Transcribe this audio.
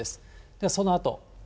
ではそのあと。